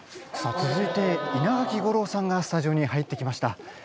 さっ続いて稲垣吾郎さんがスタジオに入ってきました。